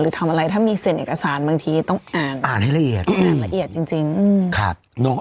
หรือทำอะไรถ้ามีสินอักษรบางทีต้องอ่านให้ละเอียดอ่านละเอียดจริงจริง